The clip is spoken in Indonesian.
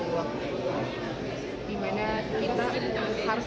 kita bertujung ke makam rasulullah